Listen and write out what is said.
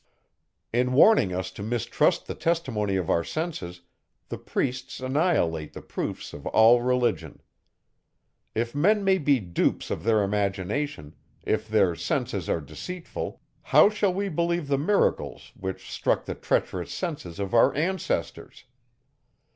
In warning us to mistrust the testimony of our senses, the priests annihilate the proofs of all religion. If men may be dupes of their imagination; if their senses are deceitful, how shall we believe the miracles, which struck the treacherous senses of our ancestors?